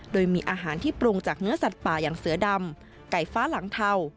โดยมีอาหารที่ปรุงจากเนื้อสัตว์ป่าอย่างเสือดำไก่ฟ้าหลังเทา